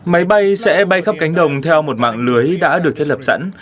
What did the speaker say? máy bay sẽ bay khắp cánh đồng theo một mạng lưới đã được thiết lập sẵn